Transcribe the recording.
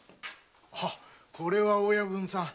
これは親分さん何か？